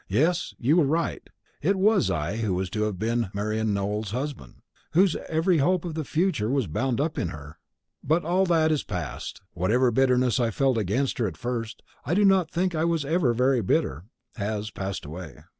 "Yes, you were right; it was I who was to have been Marian Nowell's husband, whose every hope of the future was bound up in her. But all that is past; whatever bitterness I felt against her at first and I do not think I was ever very bitter has passed away.